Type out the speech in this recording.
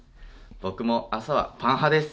僕も朝はパン派です。